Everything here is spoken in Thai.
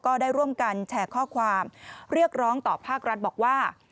ก็ได้ร่วมกันแชร์ข้อความเรียกร้องต่อภาครัฐบอกว่า